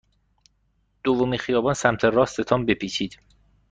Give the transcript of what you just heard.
دومین خیابان سمت راست تان بپیچید.